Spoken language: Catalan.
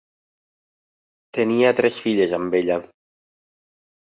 Tenia tres filles amb ella.